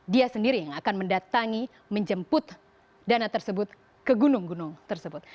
dia sendiri yang akan mendatangi menjemput dana tersebut ke gunung gunung tersebut